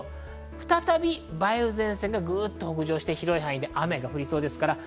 再び梅雨前線がぐっと北上して、広い範囲で雨が降りそうです。